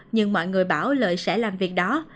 nhưng mọi người bảo lợi sẽ làm việc đó